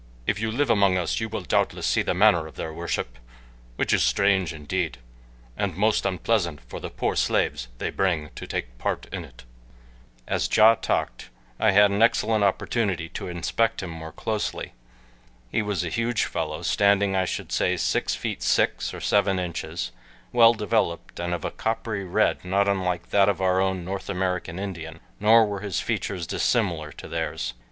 If you live among us you will doubtless see the manner of their worship, which is strange indeed, and most unpleasant for the poor slaves they bring to take part in it." As Ja talked I had an excellent opportunity to inspect him more closely. He was a huge fellow, standing I should say six feet six or seven inches, well developed and of a coppery red not unlike that of our own North American Indian, nor were his features dissimilar to theirs.